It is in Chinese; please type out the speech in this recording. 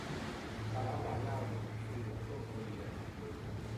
卡拉瓦亚语是一种混合语言。